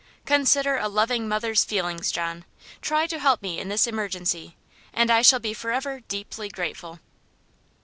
Consider a loving mother's feelings, John. Try to help me in this emergency, and I shall be forever deeply grateful."